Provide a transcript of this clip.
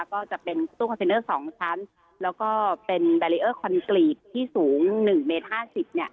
ก็จะเป็นตู้คอนเซนเนอร์สองชั้นแล้วก็เป็นที่สูงหนึ่งเมตรห้าสิบเนี้ย